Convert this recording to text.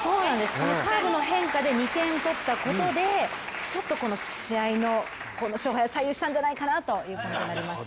このサーブの変化で２点取ったことでちょっと試合の勝敗を左右したんじゃないかなとなりました。